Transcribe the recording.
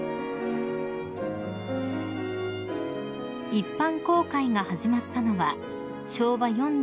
［一般公開が始まったのは昭和４３年１０月］